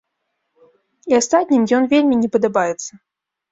І астатнім ён вельмі не падабаецца.